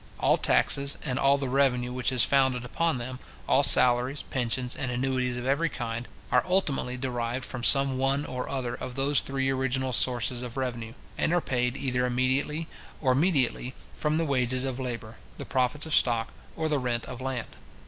All taxes, and all the revenue which is founded upon them, all salaries, pensions, and annuities of every kind, are ultimately derived from some one or other of those three original sources of revenue, and are paid either immediately or mediately from the wages of labour, the profits of stock, or the rent of land.